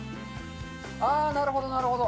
あーなるほど、なるほど。